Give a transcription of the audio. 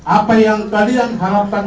apa yang kalian harapkan